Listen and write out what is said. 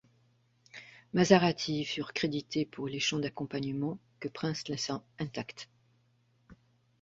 Mazarati furent crédités pour les chants d'accompagnement, que Prince laissa intacts.